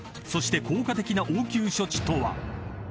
そして効果的な応急処置とは？］